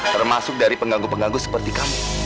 termasuk dari pengganggu pengganggu seperti kamu